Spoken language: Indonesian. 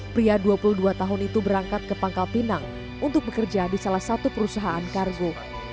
pria dua puluh dua tahun itu berangkat ke pangkal pinang untuk bekerja di salah satu perusahaan kargo